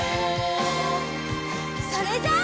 それじゃあ。